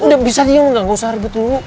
udah bisa juga nggak usah ribet dulu